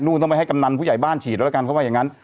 ต้องไปให้กำนันผู้ใหญ่บ้านฉีดแล้วละกันเขาว่าอย่างนั้น